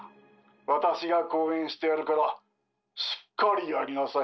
私が後援してやるからしっかりやりなさい。